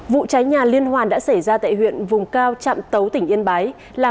vụ trái nhà liên hoàn đã xảy ra tại huyện vùng cao trạm tấu tỉnh yên bái